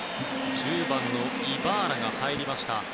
１０番のイバーラが入りました。